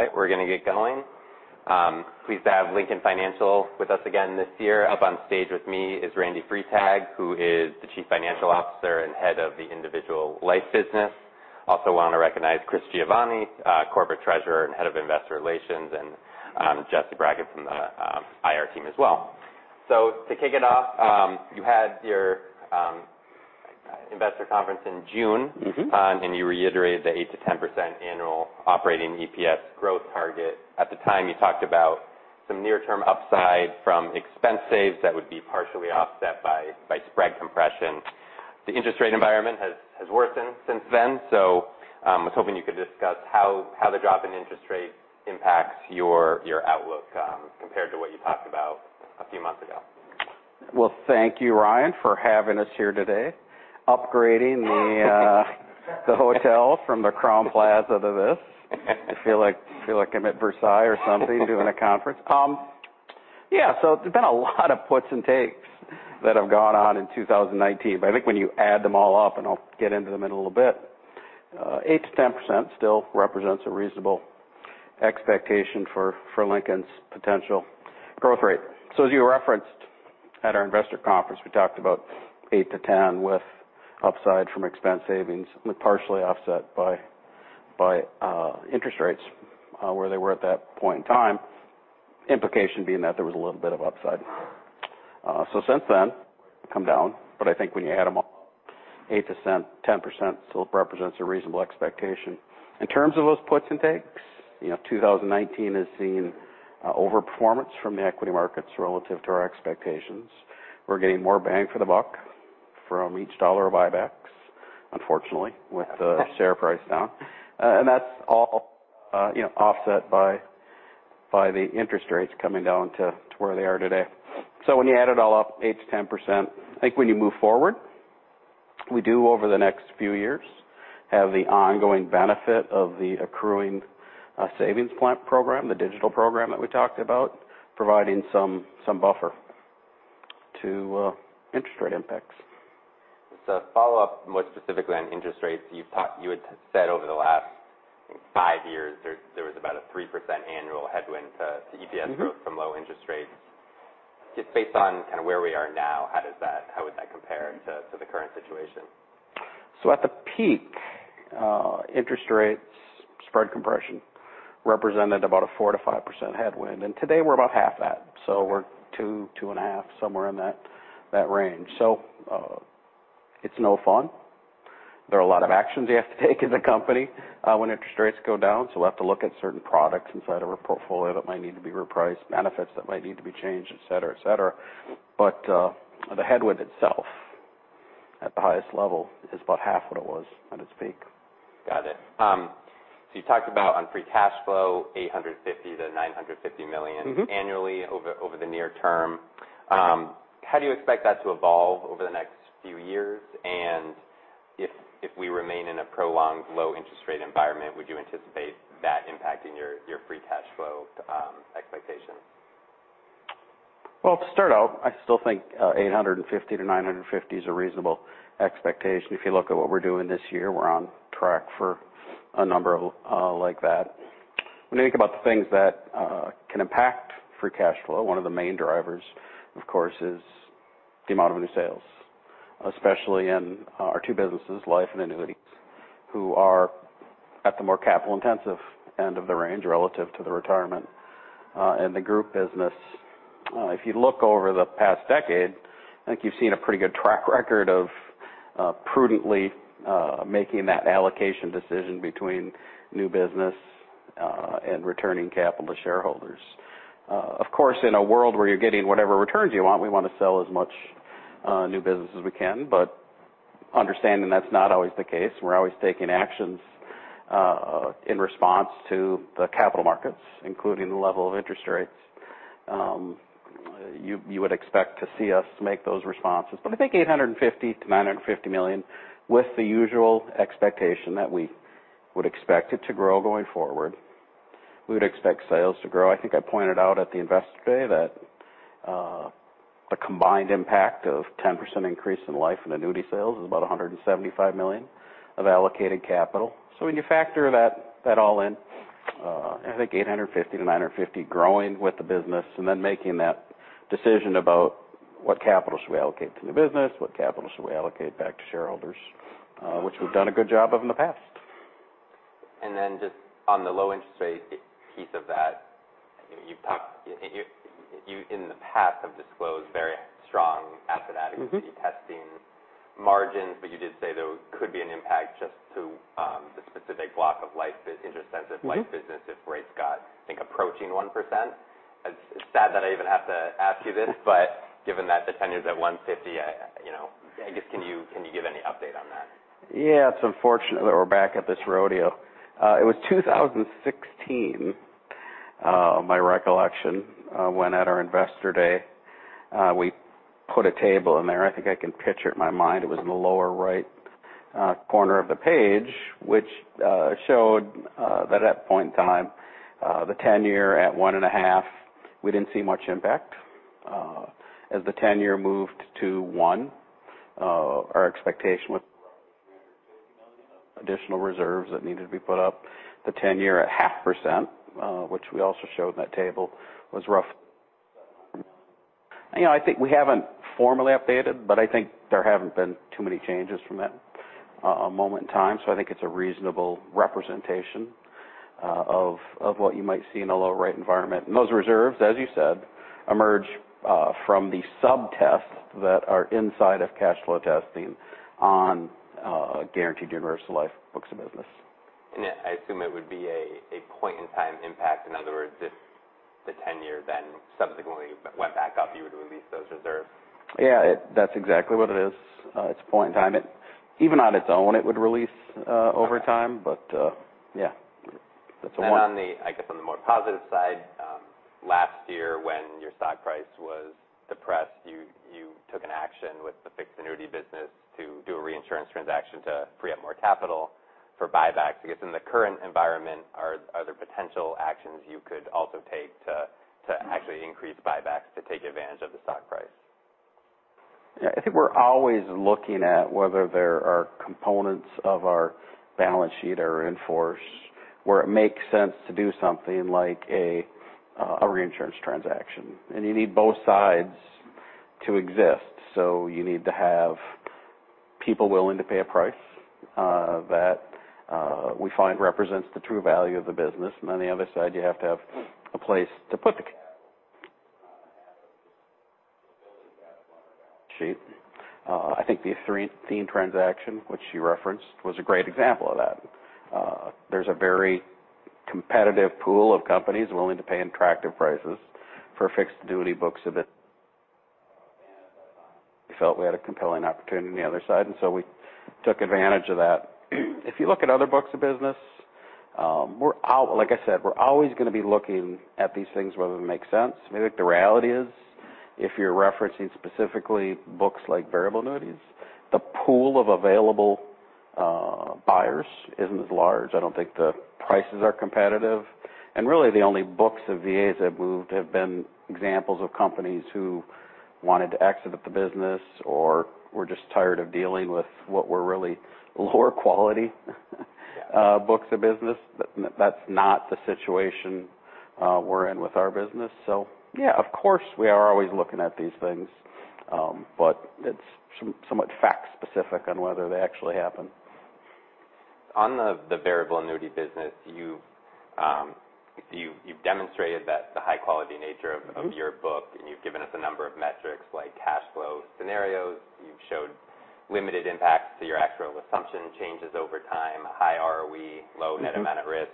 All right, we're going to get going. Pleased to have Lincoln Financial with us again this year. Up on stage with me is Randal Freitag, who is the Chief Financial Officer and Head of the Individual Life business. Also want to recognize Chris Giovanni, Corporate Treasurer and Head of Investor Relations, and Jesse Brath from the IR team as well. To kick it off, you had your investor conference in June. You reiterated the 8%-10% annual operating EPS growth target. At the time, you talked about some near-term upside from expense saves that would be partially offset by spread compression. The interest rate environment has worsened since then, I was hoping you could discuss how the drop in interest rate impacts your outlook compared to what you talked about a few months ago. Well, thank you, Ryan, for having us here today, upgrading the hotel from the Crowne Plaza to this. I feel like I'm at Versailles or something doing a conference. Yeah. There's been a lot of puts and takes that have gone on in 2019. I think when you add them all up, and I'll get into them in a little bit, 8%-10% still represents a reasonable expectation for Lincoln's potential growth rate. As you referenced at our investor conference, we talked about 8%-10% with upside from expense savings and partially offset by interest rates where they were at that point in time. Implication being that there was a little bit of upside. Since then, come down, I think when you add them all, 8%-10% still represents a reasonable expectation. In terms of those puts and takes, 2019 has seen over-performance from the equity markets relative to our expectations. We're getting more bang for the buck from each dollar of buybacks, unfortunately, with the share price down, and that's all offset by the interest rates coming down to where they are today. When you add it all up, 8%-10%. I think when you move forward, we do over the next few years have the ongoing benefit of the accruing savings plan program, the digital program that we talked about, providing some buffer to interest rate impacts. Follow up more specifically on interest rates. You had said over the last 5 years there was about a 3% annual headwind to EPS growth from low interest rates. Just based on kind of where we are now, how would that compare to the current situation? At the peak, interest rates spread compression represented about a 4%-5% headwind, and today we're about half that. We're two and a half, somewhere in that range. It's no fun. There are a lot of actions you have to take in the company when interest rates go down. We'll have to look at certain products inside of our portfolio that might need to be repriced, benefits that might need to be changed, et cetera. The headwind itself at the highest level is about half what it was at its peak. Got it. You talked about on free cash flow, $850 million-$950 million annually over the near term. Yes. How do you expect that to evolve over the next few years? If we remain in a prolonged low interest rate environment, would you anticipate that impacting your free cash flow expectation? Well, to start out, I still think $850-$950 is a reasonable expectation. If you look at what we're doing this year, we're on track for a number like that. When you think about the things that can impact free cash flow, one of the main drivers, of course, is the amount of new sales, especially in our two businesses, life and annuities, who are at the more capital intensive end of the range relative to the retirement and the group business. If you look over the past decade, I think you've seen a pretty good track record of prudently making that allocation decision between new business and returning capital to shareholders. Of course, in a world where you're getting whatever returns you want, we want to sell as much new business as we can. Understanding that's not always the case, we're always taking actions in response to the capital markets, including the level of interest rates. You would expect to see us make those responses. I think $850 million-$950 million with the usual expectation that we would expect it to grow going forward. We would expect sales to grow. I think I pointed out at the investor day that the combined impact of 10% increase in life and annuity sales is about $175 million of allocated capital. When you factor that all in I think $850-$950 growing with the business making that decision about what capital should we allocate to the business, what capital should we allocate back to shareholders which we've done a good job of in the past. Just on the low interest rate piece of that, you in the past have disclosed very strong asset adequacy testing margins, you did say there could be an impact just to the specific block of interest-sensitive life business if rates got, I think, approaching 1%. It's sad that I even have to ask you this, given that the 10-year's at 1.50%, I guess can you give any update on that? Yeah. It's unfortunate that we're back at this rodeo. It was 2016 my recollection when at our investor day we put a table in there. I think I can picture it in my mind. It was in the lower right corner of the page, which showed that at that point in time the 10-year at 1.5%, we didn't see much impact. As the 10-year moved to 1%, our expectation was additional reserves that needed to be put up. The 10-year at 0.5%, which we also showed in that table, was rough. I think we haven't formally updated, I think there haven't been too many changes from that moment in time. I think it's a reasonable representation of what you might see in a low rate environment. Those reserves, as you said, emerge from the sub-tests that are inside of cash flow testing on guaranteed universal life books of business. I assume it would be a point-in-time impact. In other words, if the 10-year then subsequently went back up, you would release those reserves. Yeah, that's exactly what it is. It's a point in time. Even on its own, it would release over time. Yeah. I guess on the more positive side, last year when your stock price was depressed, you took an action with the fixed annuity business to do a reinsurance transaction to free up more capital for buybacks. I guess, in the current environment, are there potential actions you could also take to actually increase buybacks to take advantage of the stock price? Yeah. I think we are always looking at whether there are components of our balance sheet or in force where it makes sense to do something like a reinsurance transaction. You need both sides to exist. You need to have people willing to pay a price, that we find represents the true value of the business, and on the other side, you have to have a place to put the capital on our balance sheet. I think the Athene transaction, which you referenced, was a great example of that. There is a very competitive pool of companies willing to pay attractive prices for fixed annuities books of business. We felt we had a compelling opportunity on the other side, we took advantage of that. If you look at other books of business, like I said, we are always going to be looking at these things, whether they make sense. I think the reality is, if you are referencing specifically books like variable annuities, the pool of available buyers isn't as large. I don't think the prices are competitive. Really, the only books of VAs that moved have been examples of companies who wanted to exit the business or were just tired of dealing with what were really lower quality books of business. That's not the situation we are in with our business. Yeah, of course, we are always looking at these things, but it's somewhat fact-specific on whether they actually happen. On the variable annuity business, you have demonstrated the high-quality nature of your book, and you have given us a number of metrics like cash flow scenarios. You have showed limited impacts to your actual assumption changes over time, high ROE, low net amount at risk.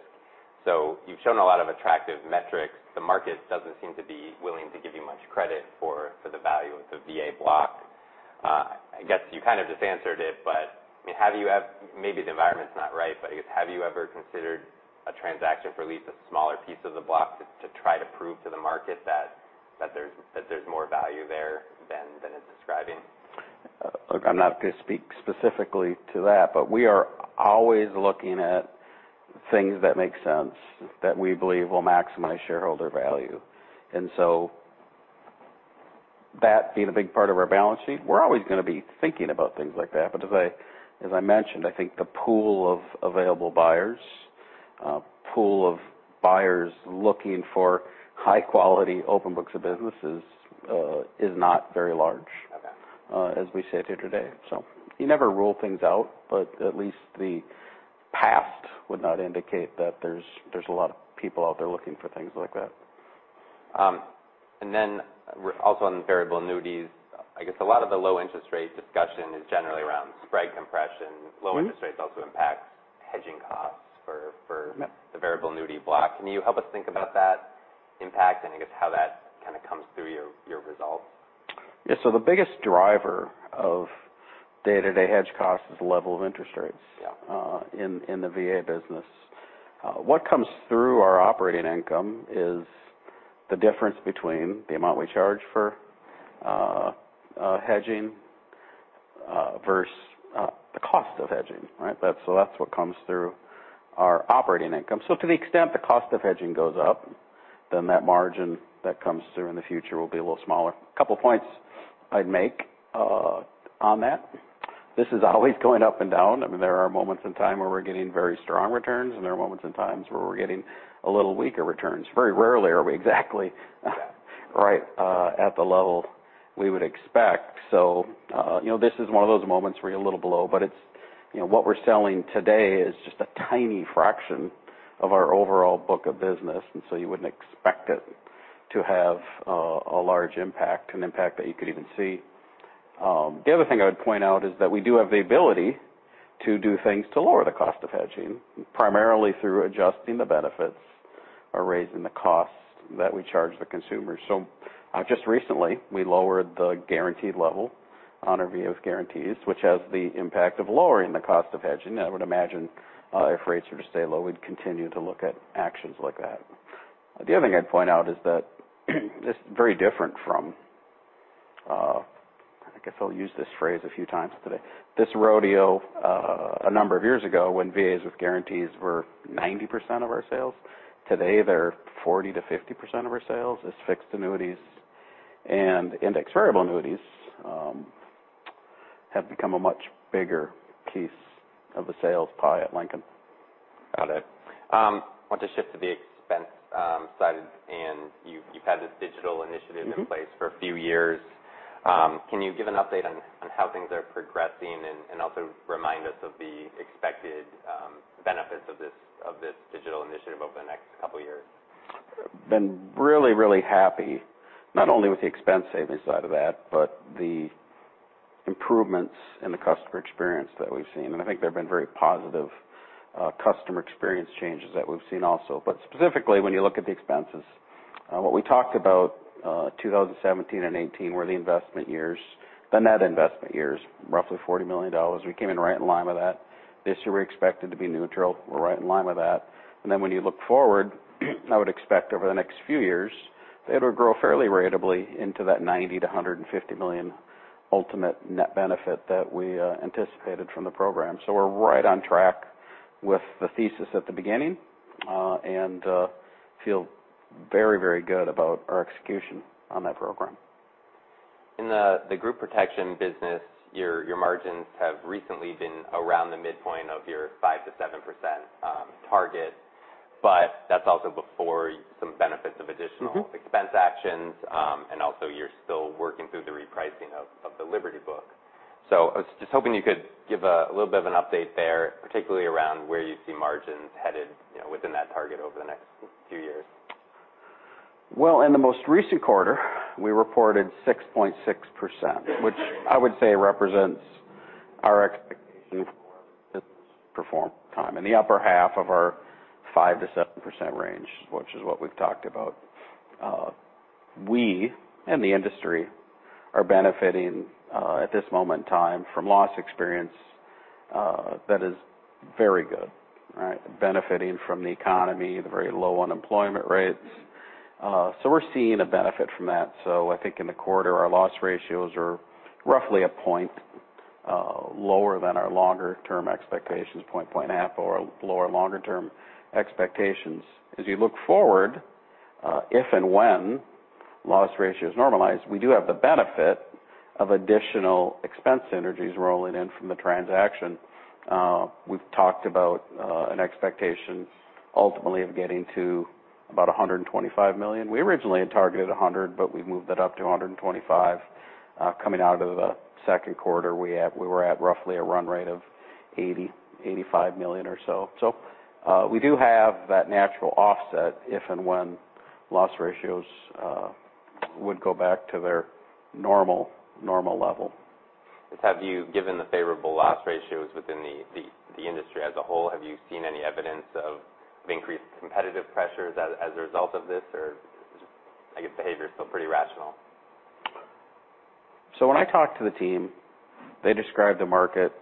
You have shown a lot of attractive metrics. The market doesn't seem to be willing to give you much credit for the value of the VA block. I guess you kind of just answered it, but maybe the environment's not right. I guess, have you ever considered a transaction for at least a smaller piece of the block to try to prove to the market that there's more value there than it's describing? Look, I'm not going to speak specifically to that, but we are always looking at things that make sense that we believe will maximize shareholder value. That being a big part of our balance sheet, we are always going to be thinking about things like that. As I mentioned, I think the pool of available buyers, pool of buyers looking for high-quality open books of businesses is not very large. Okay You never rule things out, but at least the past would not indicate that there's a lot of people out there looking for things like that. Also on variable annuities, I guess a lot of the low-interest rate discussion is generally around spread compression. Low interest rates also impact hedging costs for Yeah the variable annuity block. Can you help us think about that impact, and I guess, how that kind of comes through your results? Yeah. The biggest driver of day-to-day hedge costs is the level of interest rates Yeah in the VA business. What comes through our operating income is the difference between the amount we charge for hedging versus the cost of hedging, right? That is what comes through our operating income. To the extent the cost of hedging goes up, then that margin that comes through in the future will be a little smaller. A couple of points I would make on that. This is always going up and down. I mean, there are moments in time where we are getting very strong returns, and there are moments in times where we are getting a little weaker returns. Very rarely are we exactly right at the level we would expect. This is one of those moments where you are a little below, but what we are selling today is just a tiny fraction of our overall book of business, and you would not expect it to have a large impact, an impact that you could even see. The other thing I would point out is that we do have the ability to do things to lower the cost of hedging, primarily through adjusting the benefits or raising the cost that we charge the consumer. Just recently, we lowered the guaranteed level on our VAs with guarantees, which has the impact of lowering the cost of hedging. I would imagine if rates were to stay low, we would continue to look at actions like that. The other thing I would point out is that it is very different from, I guess I will use this phrase a few times today, this rodeo a number of years ago when VAs with guarantees were 90% of our sales. Today, they are 40%-50% of our sales as fixed annuities. Indexed variable annuities have become a much bigger piece of the sales pie at Lincoln. Got it. I want to shift to the expense side. You have had this digital initiative in place for a few years. Can you give an update on how things are progressing, and also remind us of the expected benefits of this digital initiative over the next couple of years? Been really, really happy, not only with the expense savings side of that, but the improvements in the customer experience that we've seen. I think there have been very positive customer experience changes that we've seen also. Specifically, when you look at the expenses, what we talked about 2017 and 2018 were the net investment years, roughly $40 million. We came in right in line with that. This year, we expected to be neutral. We're right in line with that. When you look forward, I would expect over the next few years that it would grow fairly ratably into that $90 million-$150 million ultimate net benefit that we anticipated from the program. We're right on track with the thesis at the beginning, and feel very, very good about our execution on that program. In the Group Protection business, your margins have recently been around the midpoint of your 5%-7% target, but that's also before some benefits of additional expense actions. Also you're still working through the repricing of the Liberty book. I was just hoping you could give a little bit of an update there, particularly around where you see margins headed within that target over the next few years. Well, in the most recent quarter, we reported 6.6%, which I would say represents our expectation for performance time in the upper half of our 5%-7% range, which is what we've talked about. We, and the industry, are benefiting at this moment in time from loss experience that is very good. Benefiting from the economy, the very low unemployment rates. We're seeing a benefit from that. I think in the quarter, our loss ratios are roughly a point lower than our longer-term expectations, point half or lower longer-term expectations. As you look forward, if and when loss ratios normalize, we do have the benefit of additional expense synergies rolling in from the transaction. We've talked about an expectation ultimately of getting to about $125 million. We originally had targeted $100 million, but we've moved that up to $125 million. Coming out of the second quarter, we were at roughly a run rate of $80 million-$85 million or so. We do have that natural offset if and when loss ratios would go back to their normal level. Have you given the favorable loss ratios within the industry as a whole? Have you seen any evidence of increased competitive pressures as a result of this or I guess behavior is still pretty rational? When I talk to the team, they describe the market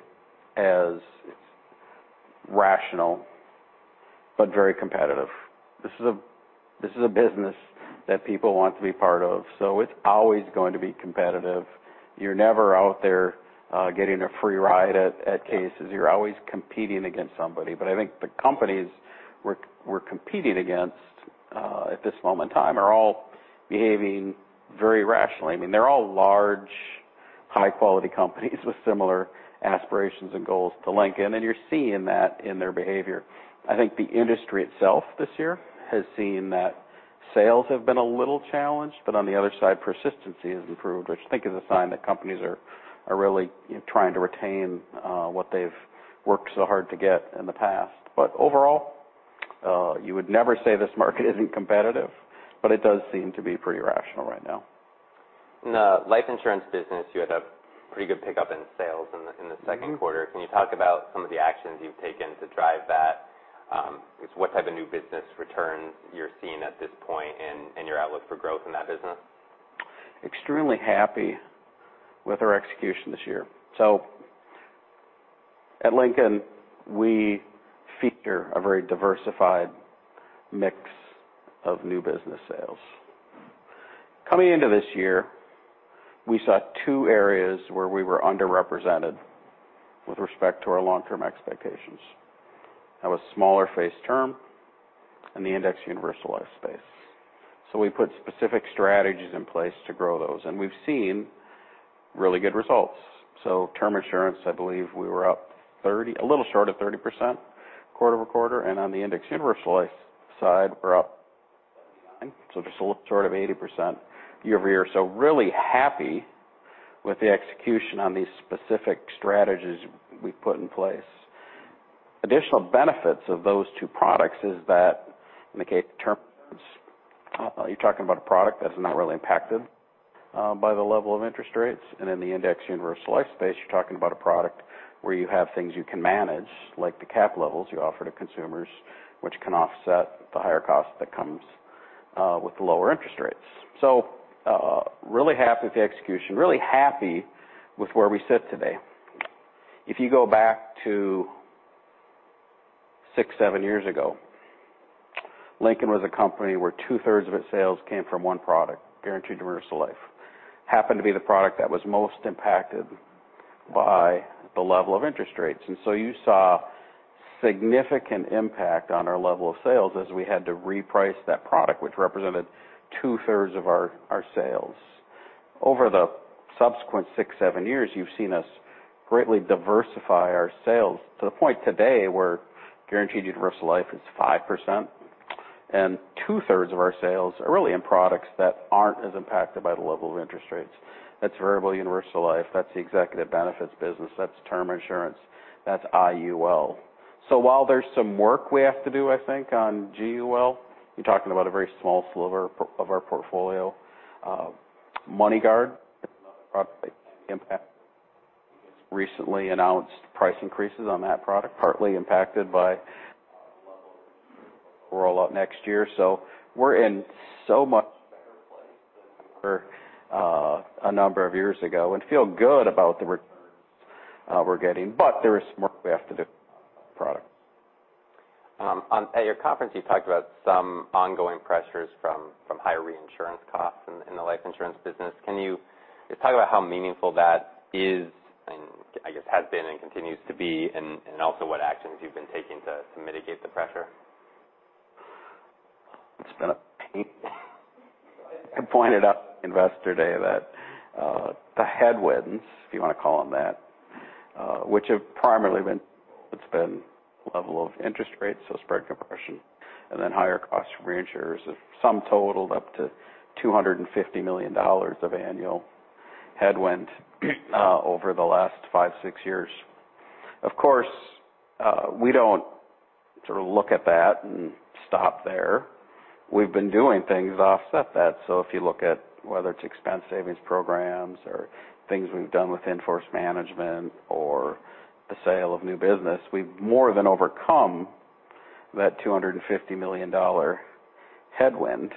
as rational but very competitive. This is a business that people want to be part of, so it's always going to be competitive. You're never out there getting a free ride at cases. You're always competing against somebody. I think the companies we're competing against at this moment in time are all behaving very rationally. I mean, they're all large, high-quality companies with similar aspirations and goals to Lincoln, and you're seeing that in their behavior. I think the industry itself this year has seen that sales have been a little challenged. On the other side, persistency has improved, which I think is a sign that companies are really trying to retain what they've worked so hard to get in the past. Overall, you would never say this market isn't competitive, but it does seem to be pretty rational right now. In the life insurance business, you had a pretty good pickup in sales in the second quarter. Can you talk about some of the actions you've taken to drive that? What type of new business returns you're seeing at this point and your outlook for growth in that business? Extremely happy with our execution this year. At Lincoln, we feature a very diversified mix of new business sales. Coming into this year, we saw two areas where we were underrepresented with respect to our long-term expectations. That was smaller face term insurance and the indexed universal life space. We put specific strategies in place to grow those, and we've seen really good results. Term insurance, I believe we were up a little short of 30% quarter-over-quarter. On the indexed universal life side, we're up 79%, just a little short of 80% year-over-year. Really happy with the execution on these specific strategies we put in place. Additional benefits of those two products is that in the case of term insurance, you're talking about a product that's not really impacted by the level of interest rates. In the indexed universal life space, you're talking about a product where you have things you can manage, like the cap levels you offer to consumers, which can offset the higher cost that comes with the lower interest rates. Really happy with the execution, really happy with where we sit today. If you go back to 6, 7 years ago, Lincoln was a company where two-thirds of its sales came from one product, guaranteed universal life. Happened to be the product that was most impacted by the level of interest rates. You saw significant impact on our level of sales as we had to reprice that product, which represented two-thirds of our sales. Over the subsequent 6, 7 years, you've seen us greatly diversify our sales to the point today where guaranteed universal life is 5%, and two-thirds of our sales are really in products that aren't as impacted by the level of interest rates. That's variable universal life, that's the executive benefits business, that's term insurance, that's IUL. While there's some work we have to do, I think, on GUL, you're talking about a very small sliver of our portfolio. MoneyGuard is another product impacted recently announced price increases on that product, partly impacted by rollout next year. We're in so much better place than we were a number of years ago and feel good about the returns we're getting. There is some work we have to do product. At your conference, you talked about some ongoing pressures from higher reinsurance costs in the life insurance business. Can you just talk about how meaningful that is, and I guess has been and continues to be, and also what actions you've been taking to mitigate the pressure? It's been a pain. I pointed out Investor Day that the headwinds, if you want to call them that which have primarily been level of interest rates, spread compression, and then higher cost reinsurers have sum totaled up to $250 million of annual headwind over the last five, six years. Of course, we don't sort of look at that and stop there. We've been doing things to offset that. If you look at whether it's expense savings programs or things we've done with in-force management or the sale of new business, we've more than overcome that $250 million headwind.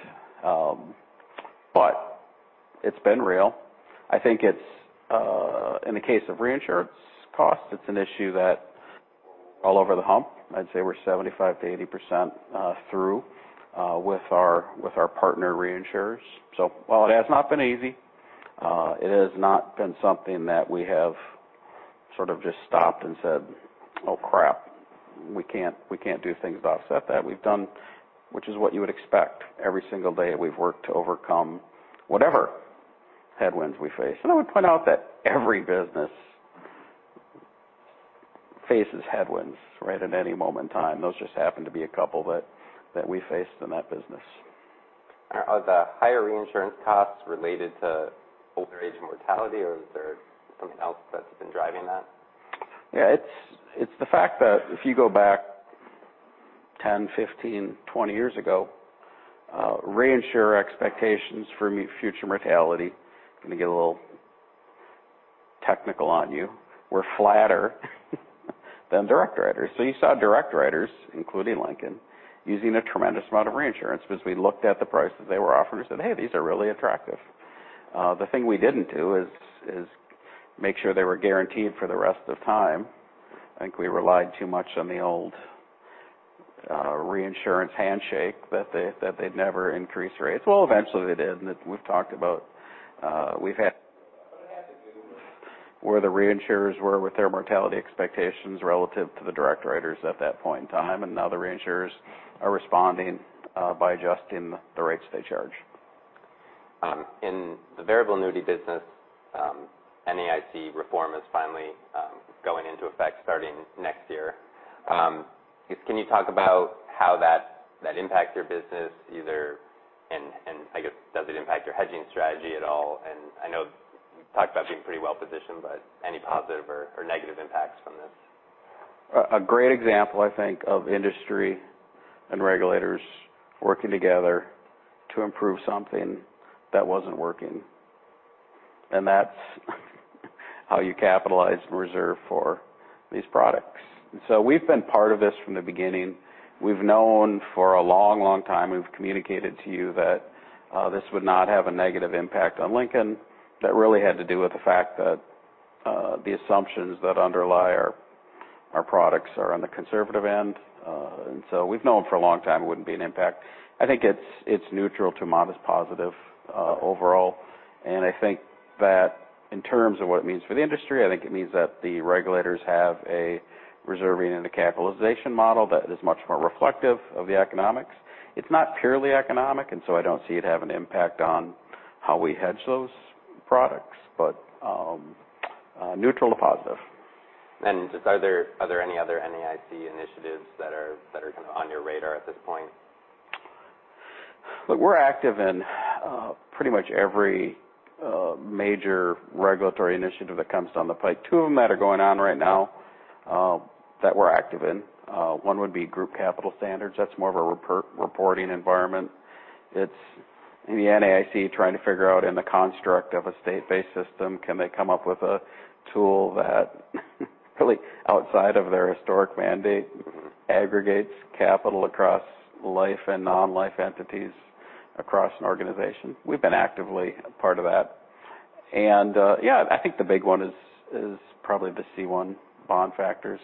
It's been real. I think it's in the case of reinsurance costs, it's an issue that all over the hump, I'd say we're 75%-80% through with our partner reinsurers. While it has not been easy, it has not been something that we have sort of just stopped and said, "Oh, crap, we can't do things to offset that." We've done, which is what you would expect. Every single day, we've worked to overcome whatever headwinds we face. I would point out that every business faces headwinds right at any moment in time. Those just happen to be a couple that we face in that business. Are the higher reinsurance costs related to older age mortality, or is there something else that's been driving that? Yeah, it's the fact that if you go back 10, 15, 20 years ago, reinsurer expectations for future mortality, going to get a little technical on you, were flatter than direct writers. You saw direct writers, including Lincoln, using a tremendous amount of reinsurance because we looked at the prices they were offering and said, "Hey, these are really attractive." The thing we didn't do is make sure they were guaranteed for the rest of time. I think we relied too much on the old reinsurance handshake that they'd never increase rates. Well, eventually they did, We've talked about where the reinsurers were with their mortality expectations relative to the direct writers at that point in time, Now the reinsurers are responding by adjusting the rates they charge. In the variable annuity business, NAIC reform is finally going into effect starting next year. Can you talk about how that impacts your business either, and I guess does it impact your hedging strategy at all? I know you talked about being pretty well-positioned, but any positive or negative impacts from this? A great example, I think, of industry and regulators working together to improve something that wasn't working, and that's how you capitalize and reserve for these products. We've been part of this from the beginning. We've known for a long, long time, we've communicated to you that this would not have a negative impact on Lincoln. That really had to do with the fact that the assumptions that underlie our products are on the conservative end. We've known for a long time it wouldn't be an impact. I think it's neutral to modest positive overall, and I think that in terms of what it means for the industry, I think it means that the regulators have a reserving and a capitalization model that is much more reflective of the economics. It's not purely economic, and so I don't see it have an impact on how we hedge those products. Neutral to positive. Just are there any other NAIC initiatives that are kind of on your radar at this point? Look, we're active in pretty much every major regulatory initiative that comes down the pipe. Two of them that are going on right now that we're active in. One would be Group Capital Standards. That's more of a reporting environment. It's in the NAIC trying to figure out in the construct of a state-based system, can they come up with a tool that really outside of their historic mandate, aggregates capital across life and non-life entities across an organization? We've been actively a part of that. Yeah, I think the big one is probably the C1 bond factors.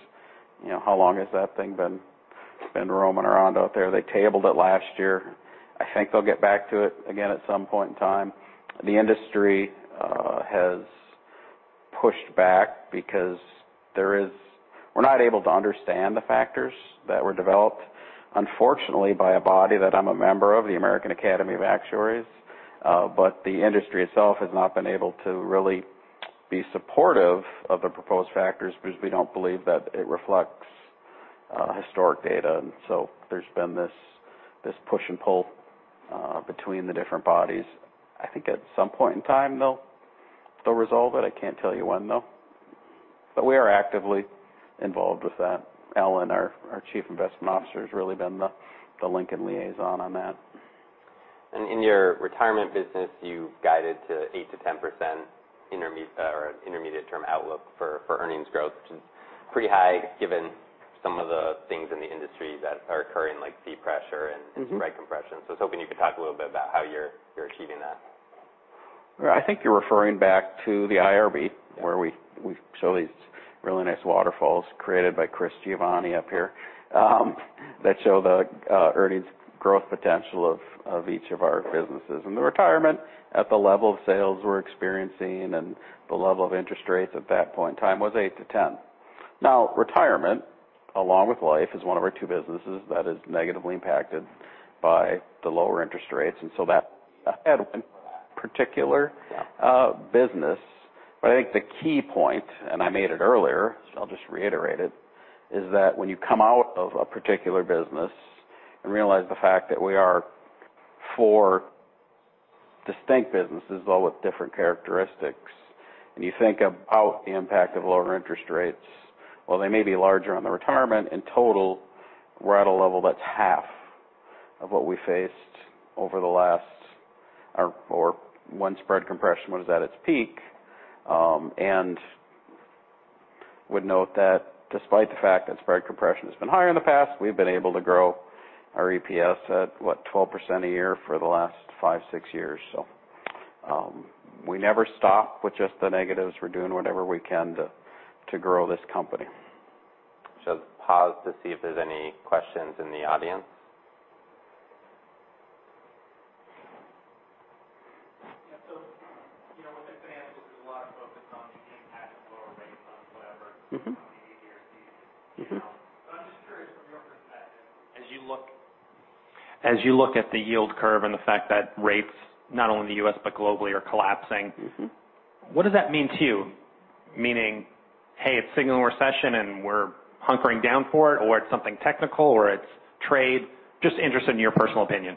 It's been roaming around out there. They tabled it last year. I think they'll get back to it again at some point in time. The industry has pushed back because we're not able to understand the factors that were developed, unfortunately, by a body that I'm a member of, the American Academy of Actuaries. The industry itself has not been able to really be supportive of the proposed factors because we don't believe that it reflects historic data. There's been this push and pull between the different bodies. I think at some point in time, they'll resolve it. I can't tell you when, though. We are actively involved with that. Ellen, our chief investment officer, has really been the Lincoln liaison on that. In your retirement business, you've guided to 8%-10% intermediate term outlook for earnings growth, which is pretty high given some of the things in the industry that are occurring, like fee pressure and spread compression. I was hoping you could talk a little bit about how you're achieving that. I think you're referring back to the IRB. Yeah The retirement at the level of sales we're experiencing and the level of interest rates at that point in time was 8%-10%. Retirement, along with life, is one of our two businesses that is negatively impacted by the lower interest rates. That particular. Yeah business. I think the key point, and I made it earlier, so I'll just reiterate it, is that when you come out of a particular business and realize the fact that we are four distinct businesses, all with different characteristics, and you think about the impact of lower interest rates, while they may be larger on the retirement, in total, we're at a level that's half of what we faced when spread compression was at its peak. Would note that despite the fact that spread compression has been higher in the past, we've been able to grow our EPS at what? 12% a year for the last five, six years. We never stop with just the negatives. We're doing whatever we can to grow this company. Just pause to see if there's any questions in the audience. Yeah. Within financials, there's a lot of focus on the impact of lower rates on whatever- company guarantees. I'm just curious from your perspective, as you look at the yield curve and the fact that rates, not only in the U.S. but globally, are collapsing- what does that mean to you? Meaning, hey, it's signaling a recession and we're hunkering down for it, or it's something technical, or it's trade. Just interested in your personal opinion.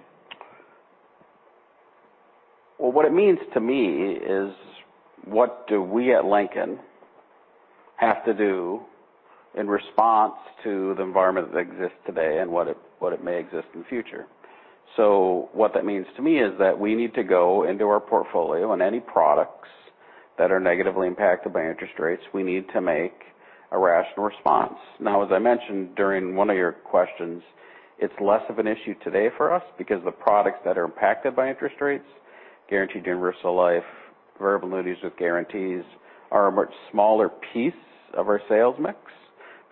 Well, what it means to me is what do we at Lincoln have to do in response to the environment that exists today and what it may exist in the future? What that means to me is that we need to go into our portfolio, and any products that are negatively impacted by interest rates, we need to make a rational response. Now, as I mentioned during one of your questions, it's less of an issue today for us because the products that are impacted by interest rates, guaranteed universal life, variable annuities with guarantees, are a much smaller piece of our sales mix.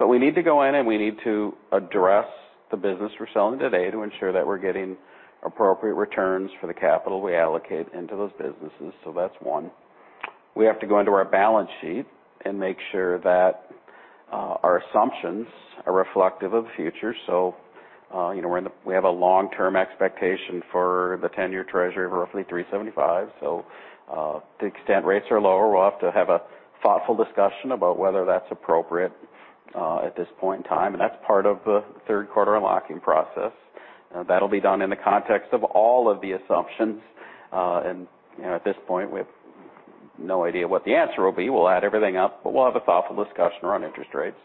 We need to go in and we need to address the business we're selling today to ensure that we're getting appropriate returns for the capital we allocate into those businesses. That's one. We have to go into our balance sheet and make sure that our assumptions are reflective of the future. We have a long-term expectation for the 10-year treasury of roughly 375. To the extent rates are lower, we'll have to have a thoughtful discussion about whether that's appropriate at this point in time, and that's part of the third quarter unlocking process. That'll be done in the context of all of the assumptions. At this point, we have no idea what the answer will be. We'll add everything up, we'll have a thoughtful discussion around interest rates.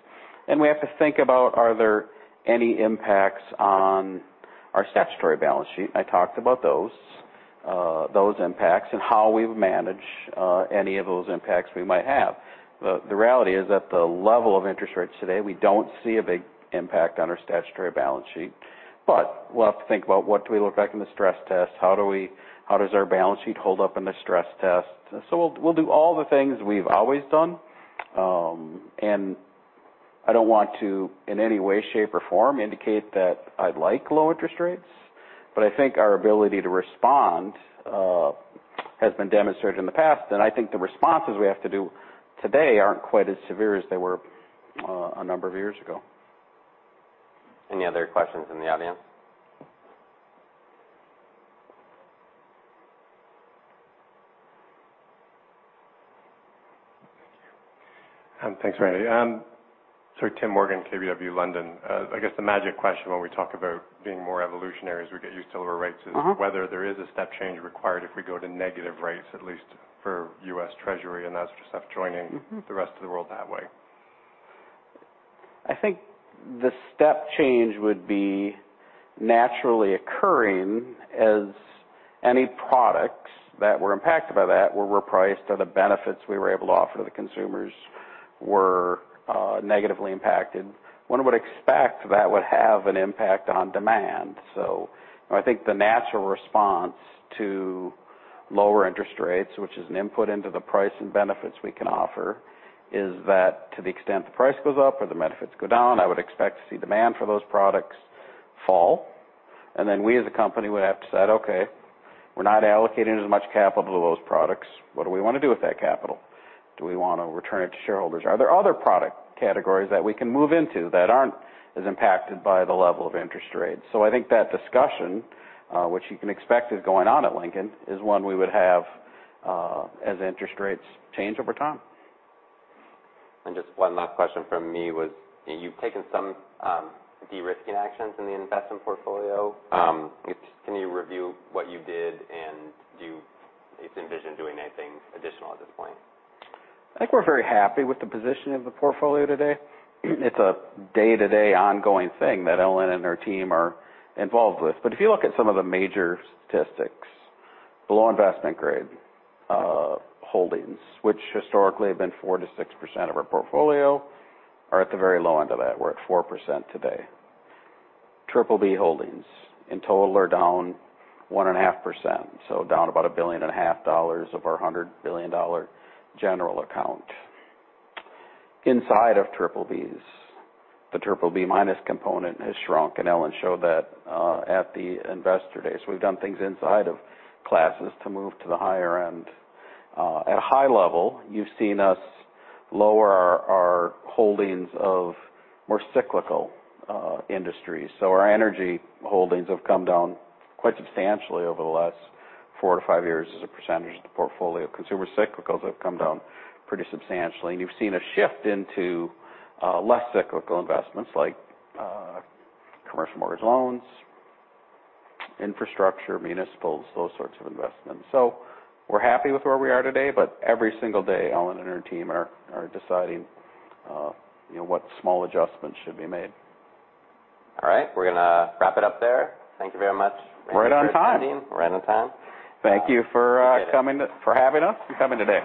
We have to think about are there any impacts on our statutory balance sheet. I talked about those impacts and how we would manage any of those impacts we might have. The reality is at the level of interest rates today, we don't see a big impact on our statutory balance sheet. We'll have to think about what do we look like in the stress test? How does our balance sheet hold up in the stress test? We'll do all the things we've always done. I don't want to, in any way, shape, or form, indicate that I'd like low interest rates, I think our ability to respond has been demonstrated in the past. I think the responses we have to do today aren't quite as severe as they were a number of years ago. Any other questions in the audience? Thank you. Thanks, Randy. Tim Morgan, KBW, London. I guess the magic question when we talk about being more evolutionary as we get used to lower rates is. Whether there is a step change required if we go to negative rates, at least for U.S. Treasury, that's just joining. The rest of the world that way. I think the step change would be naturally occurring as any products that were impacted by that were repriced or the benefits we were able to offer to the consumers were negatively impacted. One would expect that would have an impact on demand. I think the natural response to lower interest rates, which is an input into the price and benefits we can offer, is that to the extent the price goes up or the benefits go down, I would expect to see demand for those products fall. We as a company would have to decide, okay, we're not allocating as much capital to those products. What do we want to do with that capital? Do we want to return it to shareholders? Are there other product categories that we can move into that aren't as impacted by the level of interest rates? I think that discussion, which you can expect is going on at Lincoln, is one we would have as interest rates change over time. Just one last question from me was, you've taken some de-risking actions in the investment portfolio. Can you review what you did, and do you envision doing anything additional at this point? I think we're very happy with the position of the portfolio today. It's a day-to-day ongoing thing that Ellen and her team are involved with. If you look at some of the major statistics, below investment grade holdings, which historically have been 4%-6% of our portfolio, are at the very low end of that. We're at 4% today. BBB holdings in total are down 1.5%, down about a billion and a half dollars of our $100 billion general account. Inside of BBBs, the BBB- component has shrunk, and Ellen showed that at the investor day. We've done things inside of classes to move to the higher end. At a high level, you've seen us lower our holdings of more cyclical industries. Our energy holdings have come down quite substantially over the last four to five years as a percentage of the portfolio. Consumer cyclicals have come down pretty substantially, you've seen a shift into less cyclical investments like commercial mortgage loans, infrastructure, municipals, those sorts of investments. We're happy with where we are today, every single day, Ellen and her team are deciding what small adjustments should be made. All right. We're going to wrap it up there. Thank you very much. Right on time. Right on time. Thank you for having us and coming today.